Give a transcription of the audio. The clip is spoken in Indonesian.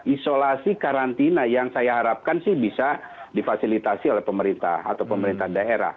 isolasi karantina yang saya harapkan sih bisa difasilitasi oleh pemerintah atau pemerintah daerah